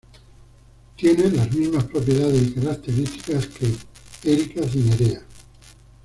Tiene las mismas propiedades y características que "Erica cinerea".